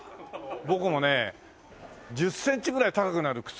僕もね１０センチぐらい高くなる靴あります？